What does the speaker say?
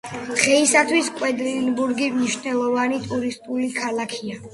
დღეისათვის, კვედლინბურგი მნიშვნელოვანი ტურისტული ქალაქია.